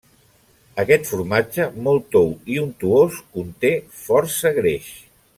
Aquest formatge, molt tou i untuós, conté força greix.